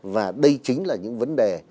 và đây chính là những vấn đề